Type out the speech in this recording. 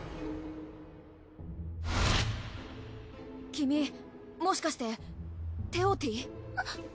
君もしかしてテオティ？